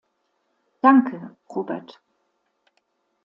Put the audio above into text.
Danke, Robert.